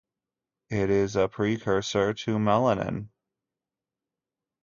It is a precursor to melanin.